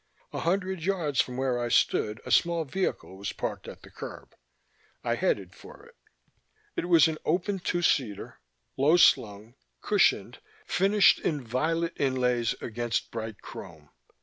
A hundred yards from where I stood a small vehicle was parked at the curb; I headed for it. It was an open two seater, low slung, cushioned, finished in violet inlays against bright chrome.